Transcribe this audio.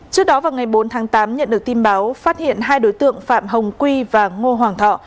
trước đó vào ngày bốn tháng tám nhận được tin báo phát hiện hai đối tượng phạm hồng quy và ngô hoàng thọ